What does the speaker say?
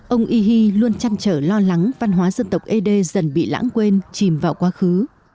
ông y hi luôn chăn trở lo lắng văn hóa dân tộc ấn độ dần bị lãng quên chìm vào quá khứ